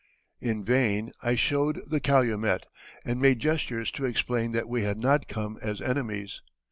In vain I showed the calumet, and made gestures to explain that we had not come as enemies.